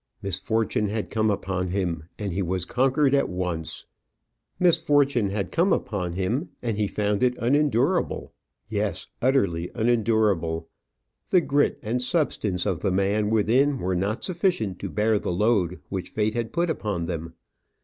Misfortune had come upon him, and he was conquered at once. Misfortune had come upon him, and he found it unendurable yes, utterly unendurable. The grit and substance of the man within were not sufficient to bear the load which fate had put upon them.